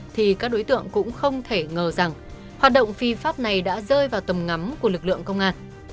thì các đối tượng cũng không thể ngờ rằng hoạt động phi pháp này đã rơi vào tầm ngắm của lực lượng công an